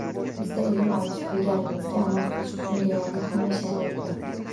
Bizda ilm olish, bilganimizga amal qilish uchun deyarli hamma sharoit bor.